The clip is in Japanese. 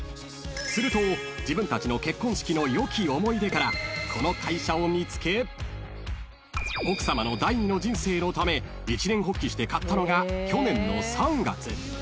［すると自分たちの結婚式の良き思い出からこの会社を見つけ奥さまの第２の人生のため一念発起して買ったのが去年の３月］